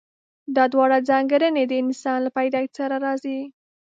دا دواړه ځانګړنې د انسان له پيدايښت سره راځي.